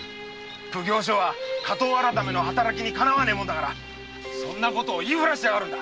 奉行所は火盗改めの働きに敵わねえもんだからそんなことを言い触らしてやがるんだ！